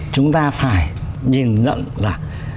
chúng ta phải nhìn nhận là